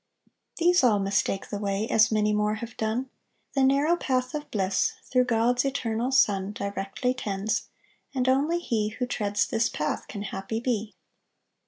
These all mistake the way, As many more have done: The narrow path of bliss Through God's Eternal Son Directly tends; And only he Who treads this path Can happy be.